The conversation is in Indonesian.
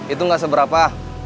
itu gak seberapa